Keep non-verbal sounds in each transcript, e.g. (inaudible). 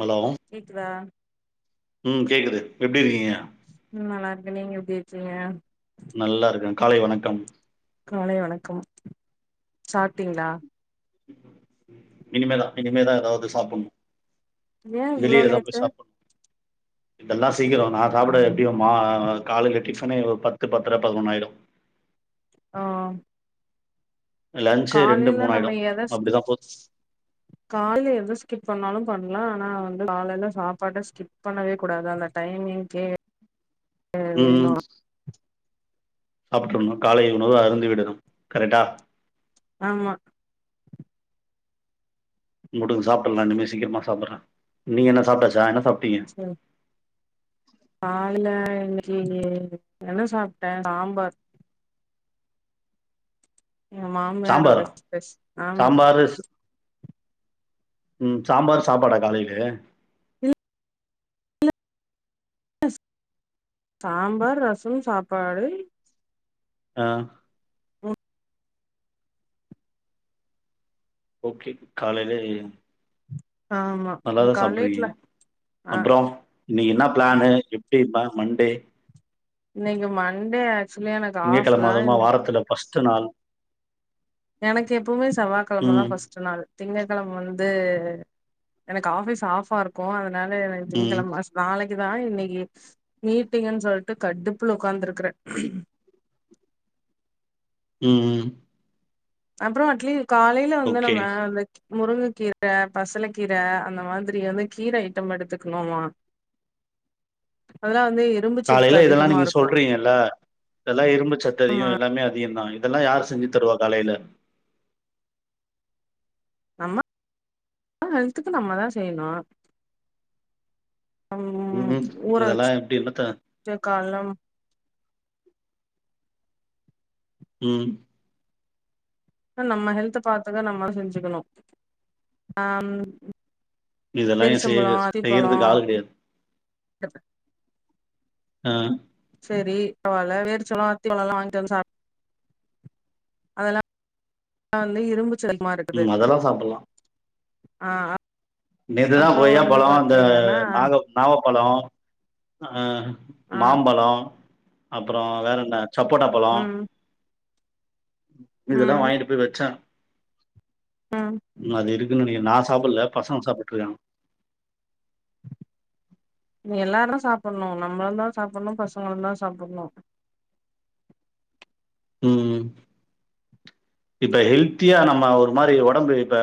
Hello கேக்குதா ம் கேக்குது எப்டி இருக்கீங்க ம் நல்லா இருக்க நீங்க எப்டி சிங்க நல்லா இருக்கே காலை வணக்கம் காலை வணக்கம், சாப்ட்டிங்ளா இனிமேதா இனிமேதா ஏதாவது சாப்புட்ணு ஏ இவ்ளோ வெளிலதா போய் லேட்டு சாப்புட்ணு இதெல்லா சீக்கிரோ நா சாப்ட எப்டியு மா காலைல டிபன்னே பத்து பத்தர பதினொண்ணாயிடு ஆ லன்ச்சு ரெண்டு காலைல மூணு நம்ம ஆயிடு எத ஸ்கிப் அப்டிதா போது காலைல எத ஸ்கிப் பண்ணாலு பண்ணலா ஆனா வந்து காலைல சாப்பாட்ட ஸ்கிப் பண்ணவே கூடாது அந்த டைமிங்க்கே வேணு ம் சாப்ட்டுற்ணு காலை உணவு அருந்தி விடணு கரெக்டா ஆமா வுடுங்க சாப்டுற்லா இனிமே சீக்கிரமா சாப்புட்ற நீங்க என்ன சாப்ட்டாச்சா என்ன சாப் சேரி கால்ல இன்னைக்கி என்ன சாப்ட்ட சாம்பார் எ மாமியாரோட சாம்பாரா ஸ்பெஷ் ஆமா சாம்பாரு ம் சாம்பார் சாப்பாடா காலைலே இல் ஸ் சாம்பார் ரசம் சாப்பாடு ஆ ஓ ஓகே காலைல ஆமா நல்லாதா காலேஜ்ல சாப்ட்ருக்கீங்க ஆஹ் அப்புறோ இன்னைக்கு என்ன பிளானு எப்டி மண்டே இன்னைக்கு மண்டே ஆ திங்க கிழமை அதுவுமா வாரத்துல பஸ் ட் நாள் எனக்கு எப்பவுமே செவ்வா கிழம தான் ம் ஃபர்ஸ்ட் நாள் திங்க கிழமை வந்து எனக்கு ஆபிஸ் ஆஃபா இருக்கும் ம் (unintelligible) தான் இன்னைக்கு மீட்டிங்கன் சொல்லிட்டு கடுப்புல உக்காந்துருக்கறேன் உம் ம் அப்புறம் அட்லீ காலையில வந்து ஓகே நம்ம அந்த முருங்க கீரை பசல கீரை அந்த மாதிரி வந்து கீரை ஐட்டம் எடுத்துக்கணுமா அதா காலையில இதெல்லாம் நீங்க சொல்றீங்கல்ல இதெல்லாம் இரும்பு சத்து ஆமா அதிகம் எல்லாமே அதிகம் தான் அதெல்லாம் யார் செஞ்சு தருவா காலையில நம்ம ஹெல்த்துக்கு நம்ம தான் செய்யணும் உம் ம் ஊற இதெல்லா எப்டி என்னத்த (inaudible) காலம் உம் நம்ம ஹெல்த் பாத்துக்க நம்ம செஞ்சுக்கணும் ஆம் இதெல்லாம் ஏ செய்ய செய்யறதுக்கு ஆள் கிடையாது ஆ ஆஹ் சரி பரவால (inaudible) வாங்கிட்ட சா அதெல்லாம் வந்து இரும்பு ச உம் அதெல்லாம் சாப்பிடலாம் ஆஹ் நேத்து தான் கொய்யா பழம் அந்த பாத்தீங்கன்னா நாக நாவ பழம் ஆஹ் ஆ மாம்பழம் அப்புறம் வேறன்ன சப்போட்டா பழம் ம் இதெல்லாம் ம் வாங்கிட்டு போய் வச்சேன் ம் அது இருக்குன்னு நாச சபல்ல பசங்க சா பட்டு நீ எல்லாரும் சாப்பிடணும் நம்மளும் தான் சாப்பிடணும் பசங்களும் தான் சாப்பிடணும் உம்ஹ் இப்ப ஹெல்த்தியா நம்ம ஒரு மாதிரி உடம்பு இப்ப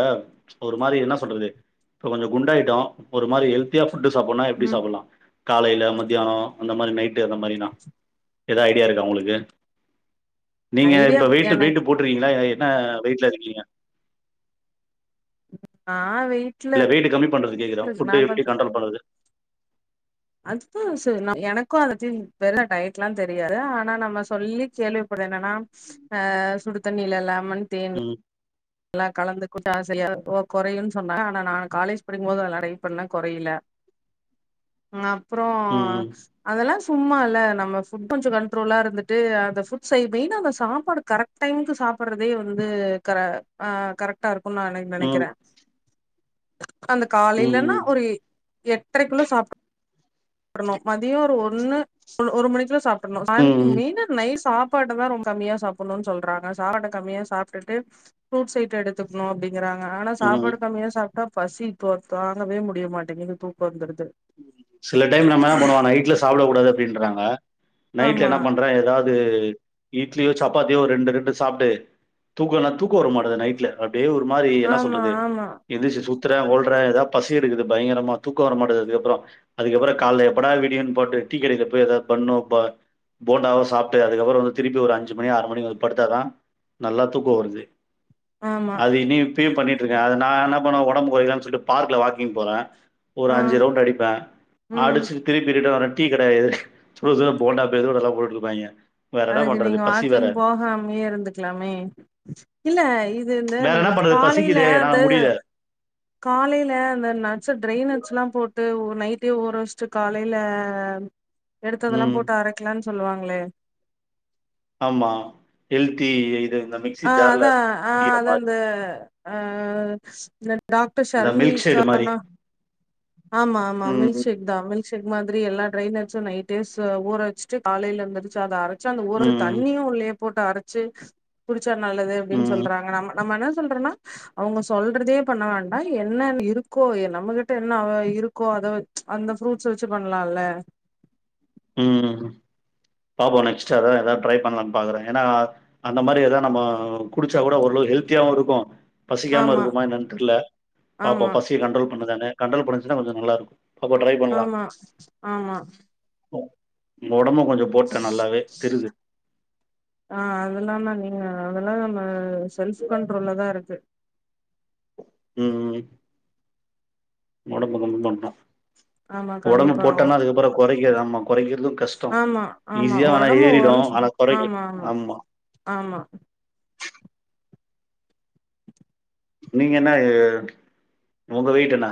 ஒரு மாதிரி என்ன சொல்றது இப்ப கொஞ்ச குண்டாயிட்டோ ஒரு மாதிரி ஹெல்த்தியா ஃபுட்டு சாப்படுனா எப்படி ம் சாப்பிடலாம் காலையில மத்தியானம் அந்த மாதிரி நைட் அந்த மாதிரினா எதா ஐடியா இருக்கா உங்களுக்கு நீங்க ஐடியா இப்ப வெயிட்டு வெயிட்டு எனக்கு போட்டுருகீங்க என்ன வெய்ட்ல இருக்கீங்க நா வெய்ட் இல்ல வெயிட் கம்மி பண்றது கேக்குற ஃபுட்டு எப்டி கண்ட்ரோல் பண்றது அதுதான் சார் எனக்கு (unintelligible) டயட்லாம் தெரியாது ஆனா நம்ம சொல்லி கேள்விப்படுறது என்னன்னா அஹ் சுடு தண்ணிலல்லா மன் தேன் ம். எல்லாம் கலந்து கூ ஆசா ஓ குறையுன் சொன்னா ஆனா நா காலேஜ் படிக்கும்போது அத நெறைய பண்ண குறைல அஹ் அப்றம் ம். அதெல்லா சும்மா இல்லை நம்ம ஃபுட் கொஞ்சம் கண்ட்ரோலாக இருந்துட்டு அந்த ஃபுட் செய்ய மெயின் அந்த சாப்பாடு கரெக்ட் டைமுக்கு சாப்பிட்றதே வந்து க ஆஹ் கரெக்டா இருக்கு நான் ந ம். நினைக்கிறேன் அந்த ம். காலையிலன்னா ம். ஒரு எட்டரைக்குள்ளோ சாப்ட் றணும் மதியம் ஒரு ஒன்னு ஒரு மணிக்குல சாப் ம். சாய்ந் ம். மெயினா நைட் சாப் சாப்பாட்டை தான் ரொம்ப கம்மியா சாப்பிடணும்னு சொல்றாங்க சாப்பட்ட கம்மியா சாப்ட்டுட்டு ப்ருட்ஸ் அயிட்டம் எடுத்துக்கணும் அப்படி கிறாங்கா ஆனா ம். சாப்பாடு கம்மியா சாப் பசி தோ தாங்கவே முடிய மாட்டேங்கது தூக்கம் வந்துடுது சில டைம் நம்ம என்ன பண்ணுவோ நைட்ல சாப்பிட கூடாது அப்படின்றாங்க நைட்ல ஆமா என்ன பண்றன் ஏதாவது இட்லியோ சப்பாத்தியோ ரெண்டு ரெண்டு சாப்பிட்டு தூக்கனா தூக்க வர மாட்டேது நைட்ல பே ஒரு மாதிரி என்ன ஆமா சொல்றது ஆமா எந்திரிச் சுத் நிக்குறன் ஓடுறன் ஏதாவ பசி எடுக்கு பயங்கரமா தூக்கம் வரமாட்டது அப்புறம் அதுக்கப்புறம் கால எப்படா விடியன் பாட்டு டீ கடைல போய் ஏதாவது பன்னு போண்டாவா சாப்பிட்டு அதுக்கப்புறம் வந்து திருப்பி ஒரு அஞ்சு மணி ஆறு மணிக்கு வந்து படுத்தாதான் நல்லா தூக்கம் வருது ஆமா அது இனி ஃபீல் பண்ணிட்ருக்கேன் அது நான் என்ன பண்ணே உடம்பு கொறைக்லானு சொல்ட்டு பார்க்ல வாக்கிங் போறேன் ஒரு ஆ அஞ்சு ரவுண்ட் அடி ம் அடிச்சு திருப்பிட் இங்க ஒரு டீ கெடையாது சுட சுட போண்டா மெது வடலா போட்ருப்பாங்க அதுக்கு நீங்க வாக்கிங் போகாமே இருந்துக்கலாமே இல்ல இது இந்த வேற என்ன பண்றது? காலைல பசிக்குதே! அந்த என்னால முடியல. காலைல அந்த நட்சு ட்ரைனட்சுலா போட் இத நைட்டே ஊற வெச்ட்டு காலைல எடுத்ததெல்லா ம். போட்டு அரைக்கலாம்னு சொல்லுவாங்க ங்களே ஆமா ஹெல்த்தி இது இந்த மிக்ஸி ஆ ஜார்ல அதா அரைச்சு ஆ குடிக்கிற மாரி. அதாந்த ஆ (unintelligible) டாக்டர் இந்த ஷர்மி மில்க் ஷேடு மாரி. இருக்காங்கனா ஆமா ஆமா ம், மில்க்ஷேக் தா மில்க் மில்க் ஷேக் மாதிரி எல்லா ட்ரை நட்ஸோ நைட்டே ச ஊற வெச்சுட்டு காலைல எந்திரிச்சு அத அர ச அந்த ஊற ம், தண்ணியு உள்ளையேப் போட்டு அரைச்சு குடிச் சா நல்லது அப்படினு ம், சொல்றாங்க நம்ம நம்ம சொல்றன்னா அவுங்க சொல்றதே பண்ண வேண்டா என்ன இருக்கோ நம்மகிட்ட என்ன அவ இருக்கோ அத வெச் அந்த ஃரூட்ஸ் வெச்சு பண் பண்லால ம் பாப்போ நெக்ஸ்டா எதாவது ட்ரை பண்ணலாம்னு பாக்குற ஏன்னா அந்த மாதிரி ஏதாவ நம்ம குடிச்சா கூட ஒருளவு ஹெல்த்தியாவு இருக்கோ பசிக்காம ஆமா இருக்குமா என்னன்னு தெர்ல பாப்போ ஆமா பசிய கண்ட்ரோல் உண்ம தானே கண்ட்ரோல் பண்ணுச்சுனா கொஞ்சோ நல்லா இருக் ஆமா ஆமா உங்க ஒடம்பும் கொஞ்சோ போட்ட நல்லாவே தெறுது அதெல்லா நம்ம செல்ஃப் கண்ட்ரோல்ல தா இருக்கு ம் உங்க ஒடம்ப கம்மி பண்ணோ ஆமா கம்மி ஒடம்பு ப போட்டோம்னா அதுக்கப்புறோ கொறைக்கறது ஆமா கொறைக்கறது கஷ்டோ ஆமா ஆமா ஈஸியா வேனா ஒடம்பு ஏறிடோ ஒன்ஸ் ஆனா ஆமா கொறைக்கனும் ஆமா ஆமா நீங்க என்ன உங்க வெய்ட்டு என்ன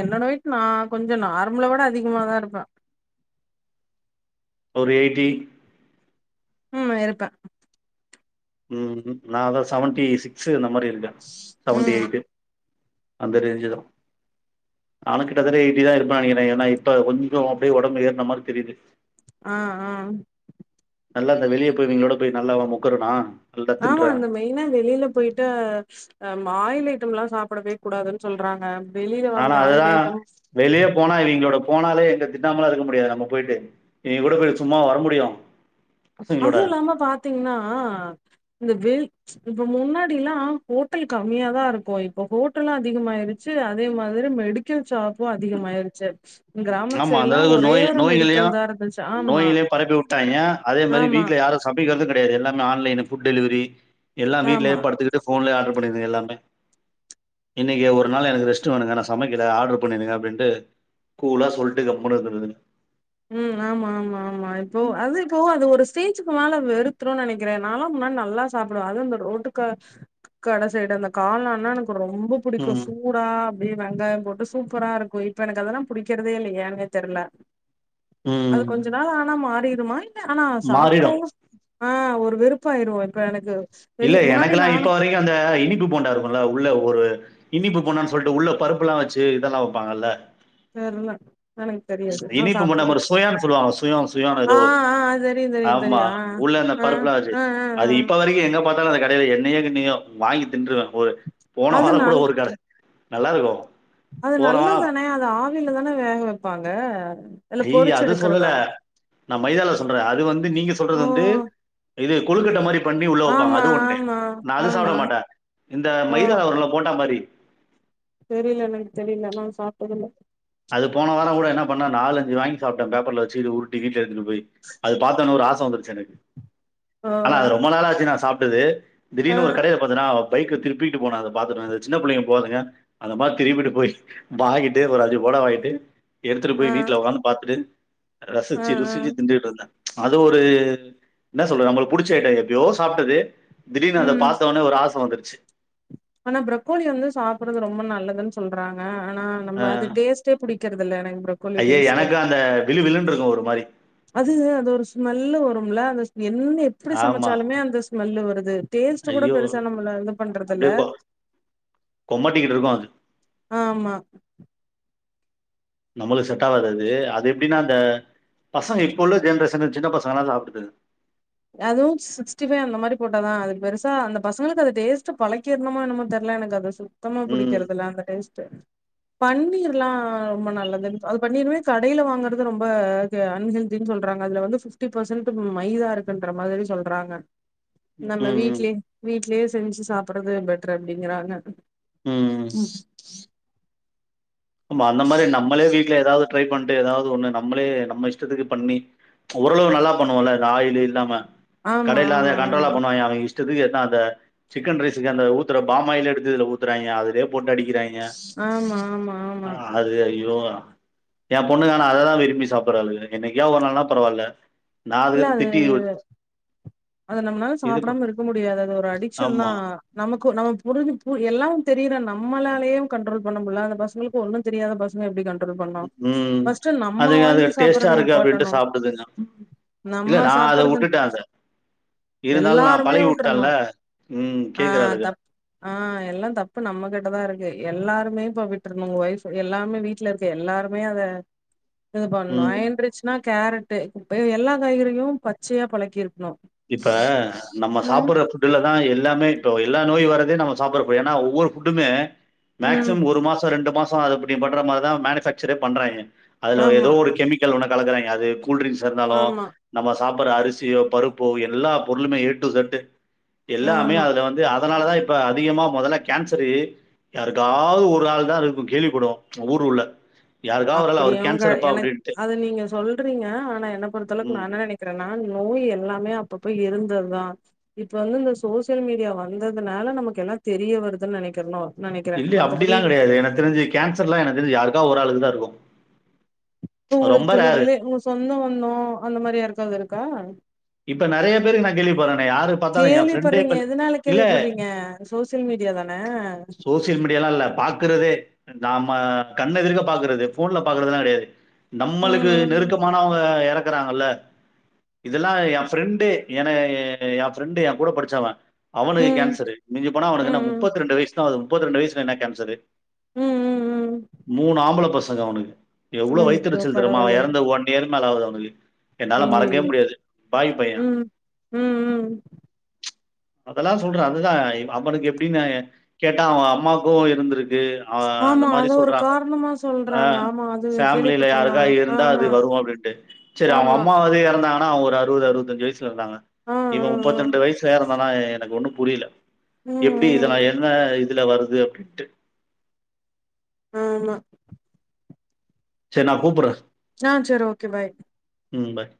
என்னோடா வெயிட் நா கொஞ்சோ நார்மல விட அதிகமாதா இருப்பே ஒரு எய்ட்டி ம் இருப்பே ம் நான் அதா செவேன்ட்டி சிக்ஸு இது மாரி இருக்க செவன்டி ம் எய்ட்டு அந்த ரேஞ்சு தான் ஆனக்கிட்டதட்ட ஏயிட்டி தான் இருப்ப ஏன்னா இப்ப கொஞ்சோ அப்டியே ஒடம்பு ஏறன மாதிரி தெரியுது ஆஹ் ஆஹ் நல்லா இந்த வெளிய போய்வங்களோட போய் நல்லா மொக்குருனா ஆமா அந்த மெயினா வெளில போயிட்டு அஹ் அயில் (unintelligible) எல்லாம் சாப்டவே கூடாது சொல்றாங்க வெளில ஆனா வாங்கி ஆயில் அதுதான் ஐட்டம் வெளியே போனா இவங்களோட போனாலே எங்க திட்டாமலா இருக்க முடியாது நம்ம போயிட்டு நீ கூட கொ சும்மா வர முடியு பசங்களோட அதுவு இல்லாம பாத்தீங்கன்னா இந்த வெயில் இப்ப முன்னாடிலா ஹோட்டல் கம்மியாதான் இருக்கு இப்ப ஹோட்டலும் அதிகமாயிருச்சு அதே மாதிரி மெடிக்கல் ஷாப்பும் அதிகமாய்ட்டிச்சு ஆமா அந்த அளவுக்கு நோய் மெடிக்கல் நோய்களையும் தா இருந்துச்சு ஆமா நோயிலு பரப்பி விட்டாய்ங்க அதேமாதிர ஆமா வீட்ல யாரு சமைக்கிறதும் கிடையாது எல்லாமே ஆன்லை பொட் டெலிவரி எல்லாம் ஆமா வீட்டிலேயே படுத்துக்கிட்டு போன்ல யே ஆர்டர் (unintelligible) எல்லாமே இன்னைக்கு ஒரு நாள் எனக்கு ரெஸ்ட் வேணுங்க நா சமைக்கல ஆடர் பண்ணிருங்க அப்டின்னு கூலா சொல்ட்டு கம்முனு இருந்துருது ம் ஆமா ஆமா ஆமா இப்போ அது இப்பவும் அது ஒரு ஸ்டேஜுக்கு மேல வெறுத்துரு நெனைக்கிறே நாலா நல்லா சாப்பிடுவே அது அந்த ரோட்டு கட கட சைடு அந்த காளான் ல ரொம்ப பிடிக்கூ ம் சூடா அப்டியே வெங்காயம் போட்டு சூப்பரா இருக்கூஇப்ப எனக்கு அதெல்லா பிடிக்கிறதே இல்ல என்னே தெர்ல அது ம் கொஞ்சோ நாள் ஆனா மாறி (unintelligible) துமா ஆனா சாப்டறோ மாறிடும் ஆஹ் ஒரு வெறுப்பாயிரோ இப்ப எனக்கு வெளி இல்ல முன்னாடி எனக்குல்லா இப்ப நானும் வரைக்கு அந்த இனிப்பு போண்டா இருக்கும்ல உள்ள ஒரு இன்னிப்பு போண்டா சொல்லிட்டு உள்ள பருப்பு எல்லா வச்சு இதெல்லா வப்பாங்கல்ல தெர்ல எனக்கு தெரியாது நான் இனிப்பு போண்டா சாப்பிட்டத்துல மாதிரி சுயான்னு சொல்லுவாங்க சுயம் சுயம் ஏதோ ஆஹ் ஆஹ் தெரியு தெரியு ஆமா தெரியு ஆஹ் உள்ள ஆஹ்ஹ்ஹ பார்த்தாலு அந்த கடையில என்ன இன்னயோ வாங்கி தின்றுவே ஒரு போன அது வாரம் நல் கூட ஒரு கட நல்லா இருக்கூ அது நல்லதுதான அது ஆவில தான வேக வப் பாங்க ஐயய அத சொல்லல நா மைதால சொல்றே. அது வந்து நீங்க சொல்றது வந்து ஓ! இது கொழுக்கட்ட மாரி பண்ணி உள்ள வப்பாங்க. ஆமா, அது ஒண்ணு ஆமா, நா அது ஆமா. சாப்ட மாட்ட. இந்த மைதாவருல போண்டா மாரி தெரில எனக்கு தெரில நா சாப்ட்டதில்ல அது போன வாரங்கூட என்ன பண்ண நாலஞ்சு வாங்கி சாப்ட பேப்பர்ல வச்சுகிட்டு உருட்டிகிர் டி எடுத்துட்டு போய் அது பார்த்தன ஒரு ஆச ஆ வந்திருச்சு சென்னை ஓ! ஆனா அது ரொம்ப நாளாச்சு நா சாப் ட்டது ஆ, திடிர்னு ஒரு கடையில பாத்தனா பைக்க திருப்பிட்டு போன அத பாத்துட்டு வந்து சின்ன புள்ளைங்க போவாதுங்க அந்த மாரி திரும்பிட்டு போயி வாங்கிட்டு ஒரு அஞ் பொடவ வாங்கிட்டு எடுத்துட்டு ஆ, போயி வீட்ல ஒக்காந்து பாத்துட்டு ஆ, ரசிச்சு ஆ. ருசிச்சு திண்டறுத்துதா அது ஒரு என்ன சொல்ல நம்மளுக்கு புடிச்ச ஐட்டோ எப்பயோ சாப்ட்டது திடீர்னு அத ம். பாத்த ஒடனே ஒரு ஆச வந்துரு ச்சு ஆனா ப்ரோக்கோலி வந்து சாப்பறது ரொம்ப நல்லதுன்னு சொல்றாங்க ஆனா நம்ம அது டேஸ்ட்டே புடிக் விக்கருத்தில்ல ஆனா எனக் ஐய்யய்யே எனக்கு அந்த விழு விழுன்றது ஒரு மாரி அது அது ஒரு ஸ்மெல்லு வரும்ல அந்த ஸ் என்ன எப்பிடி ஆமா. சமச்சாலுமே அந்த ஸ் ஸ்மெல்லு வருது டேஸ்ட்டு கூட ஐயோ! பெருசா நம்மள இது பண்றதில்ல. அப்படியே கொ கொமட்டிக்கிட்டு இருக்கு அது ஆமா நம்மள்க்கு செட்டாவாது அது. அது எப்டீனா அந்த பசங்க இப்ப உள்ள ஜென்ரேஷனு சின்ன பசங்கெல்லா சாப்ட்ருது அதுவு சிக்ஸ்டி ஃபை அந்த மாரி போட்டாதா. அதுக்கு பெருசா அந்த பசங்களுக்கு அத டேஸ்ட் பழக்கீர்ணுமோ என்னமோ தெர்ல எனக்கு அது சுத் த்தமா ம். புடிக்கறதில்ல அந்த டேஸ் ட்டு பன்னீர்லா ரொம்ப நல்லதுனு. அது பன்னீர்மே கடைல வாங்கறது ரொம்ப கெ அன்ஹெல்தீனு சொல்றாங்க. அதுல வந்து ஃபிஃப்டீ பர்சன்டு மைதா இருக் குன்ற மாதிரி சொல்றாங்க. ம், நம்ம ம். வீட்லே வீட்லே செஞ்சி சாப்புட்றது பெட்ரு அப்டீங்றாங்க. ம்ம் ஆமா அந்த மாரி நம்மளே வீ ட்ல ஏதாவது ட்ரை பண்ணிட்டு ஏதாவது ஒண்ணு நம்மளே நம்ம இஷ்டத்துக்கு பண்ணி ஓரளவு நல்லா பண்ணுவோம்ல்ல இந்த ஆயிலு இல்லாம ஆமா கடைல அவங்க ஆமா ஆமா கண்ட்ரோலா பண்ணுவாங்க அவங்க இஷ் இஷ்டத்துக்கு என்னா அந்த சிக்கன் ரைஸக்கு அந்த ஊத்துற பாயில்லே எடுத்து இதுல ஊத்துறங்க அதுேலே போட்டு அடி ஆமா ஆமா ஆமா ஆ அது ஏ பொண்ணுங்கானா அததான் விரும்பி சாப்பிடடுறாளுக என்னைக்கொ ஒரு நாள்னா பரவால்ல நா இல்ல அதுக்கு அது திட்டி அது நம்மளால இது சாப்டாம இருக்க முடியாது அது ஒரு அடிக்ஷன் ஆமா தான் நமக்கும் நம்ம முரு எல்லாம் தெரியும் நம்மாலேய கண்ட்ரோல் பண்ண முடியல அந்த பசங்களுக்கு ஒன்னும் தெரியாத பசங்க எப்படி கன்ட்ரோ ம் அதுங்க அது டேஸ்ட்டா சாப்பறத இருக்கு அப்படின்ட்டு நிப்பாட்டணு சாப்பிடுதுங்க இல்ல நம்ம நான் அத சாப்பறது உட்டுட்டேன் அத இருந்தாலும் நான் எல்லாருமே பழகி உட்ரணு வுட்டேன்ல ம் ஆ கேக்குராளுக தப் ஆ எல்லாம் தப்பு நம்மகிட்டதான் இருக்கு எல்லாருமே இப்ப விட்டுருனும் உங்க ஒய்ஃப் எல்லாமே வீட்டுல இருக்கு எல்லாருமே அதை இது பண்ணும் ம் ஆயன்றிச்னா கேரட்டு எல்லா காய்கறியும் பச்சையா பழக்கிருக் இப்ப நம்ம சாப்பிடுற புட்டு்ல தான் எல்லாமே இப்ப எல்லா நோய் வர நம்ம சாப்பிடறோா ஒவ்வொரு புட்டுமே ம் மேக்சிம்மம் ஒரு மாசம் ரெண்டு மாசம் சம் அப்படி பண்ற மாரிதான் மேனுபக்சரெய் பண்றாங்க அதுல ஏதோ ஆமா ஒரு கெமிக்கல் உனக்கு கலகறேங்க அது கூள்டிரிங்க்ஸ்ஹ் இருந்தாலும் ஆமா நம்ம சாப்பிடற அரிசியோ பருப்பு இப்போ எல்லா பொருளுமே ஏட்டு செட்டு எல்லாமே ஆமா அதுல வந்து அதனால தான் இப்ப அதிகமா முதல்ல கேன்சரு யாருக்காவது ஒரு ஆள் தான் இருக்கும் கேள்வி படுவோம் ஊரு உள்ள யாருக்காவது ஒரு ஆள் அப்படி அவருக்கு உங்க கேன்சர் இருப்பா என அப்படின்ட்டு அது நீங்க சொல்றீங்க ஆனா என்ன பொறுத்தளவுக்கு நான் ம் என்ன நினைக்கிறேன்னா நோய் எல்ல எல்லாமே அப்பப்ப இருந்தது தான் இப்ப வந்து இந்த சோசியல் மீடியா வந்ததுனால நமக்கு எல்லாம் தெரிய வருதுன்னு நினைக்கிரனோ இல்ல அப்படிலாம் கிடையாது எனக்கு தெரிஞ்சுேன்ர்லாம் எனக்கு தெரிஞ்சு யாருக்காது ஒரு ஆளுக்குதான் இருக்கும் உங்களுக்கு ரொம்ப ரேரு தெிருரலே உங்க சொந்த வந்தோம் அந்த மாரி யாருக்காவது இருக்கா இப்ப நறைய பேருக்கு நான் கேள்விப்பட்றேனே யாருக்கு பார்த்தலு என் கேள்விப்பட்றீங்க பிரண்ட எதனால இல்ல கேள்விப்பட்றீங்க சோசியல் மீடியா தான சோசியல் மீடியல இல்ல பாக் க்குறதே நாம கண்ண எத்ர்க பாக்குறது போன்ல பாக்குறதுெல்லாம் கிடையாது நம்மளுக்கு ம் நெருக்கமானவங்க எறக் ருக்கறாங்கல்ல இது இதெல்லாம் என் ஃப்ரெண்டு என என் ஃப்ரெண்டு என் கூட படிச்சவன் ம் அவனுக்கு ம் கேன்சரு மிஞ்சி போனா அவனுக்கு என்ன ம் முப்பத்தி ரெண்டு வயசு அது முப்பத்தரெண்டு வயுசல என்ன கேன்சரு ம் ம் ம் மூணு ஆம்பளை பச ங்க உனக்கு ம் எவ்ளோ வைத் ஐயோ தெரிச்சல் தெரிமா அவன் கடவுளே இறந்த ஒன் இயர் நளாவது அவனுக்கு என்னால மறக்கவே முடியாது பாவி பையன். உம் உம் உம் ச் அதல்லாம் சொல்றேன் அதுதான் அவனுக்கு எப்டின்னு கேட்டா அவன் அம்மாக்கும் இருந்திருக்கு து ஆஹ் அந்த ஆமா மாரி அத ஒரு சொல்றாங்க காரணமா சொல்றாங்க ஆஹ் ஆமா அது ஃமேமில கேள்விப்பட்டந்தா யாருக்கா இருந்தா ஆமா அது வரும் அப்டின்ட்டு சரி அவ ஆமா அம்மாவது இறந்தா நா ஒராள் அறுவது அறுவத்தஞ்சு வயசு கு இருந்தாங்க ஆ இவன் ஆ ஆ முப்பத்தி ரெண்டு வயசுல இறந்தானா எனக்கு ஒண்ணு புரில ம் எப்டி இதல்லாம் ம் என்ன இதுல வருது அப்டின்ட்டு ஆமா செர் நா கூப்பற்றேன் ஆஹ் சரி ஓகே பாய் ம் பாய்